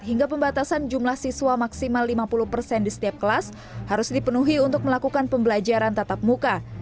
hingga pembatasan jumlah siswa maksimal lima puluh persen di setiap kelas harus dipenuhi untuk melakukan pembelajaran tatap muka